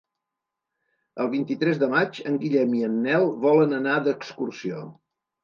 El vint-i-tres de maig en Guillem i en Nel volen anar d'excursió.